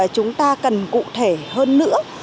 chúng ta cần cụ thể hơn nữa